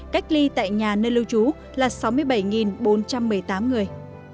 cách ly tại nhà nơi lưu trú là sáu mươi bảy bốn trăm một mươi tám người